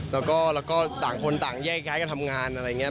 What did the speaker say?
แล้วก็ต่างคนต่างแยกย้ายกันทำงานอะไรอย่างนี้